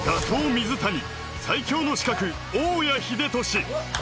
・水谷最強の刺客、大矢英俊。